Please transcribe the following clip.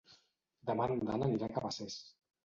Demà en Dan anirà a Cabacés.